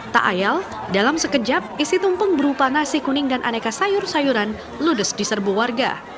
tak ayal dalam sekejap isi tumpeng berupa nasi kuning dan aneka sayur sayuran ludes di serbu warga